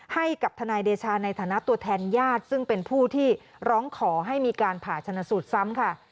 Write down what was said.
ให้กับทนายเดชาในฐานะตัวแทนญาติซึ่งเป็นผู้ที่ร้องขอให้มีการผ่าชนะสูตรซ้ำค่ะ